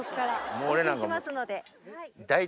お教えしますので。